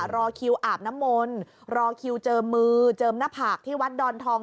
รอคิวอาบน้ำมนต์รอคิวเจิมมือเจิมหน้าผากที่วัดดอนทอง